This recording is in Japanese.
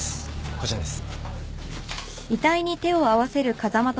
あちらです。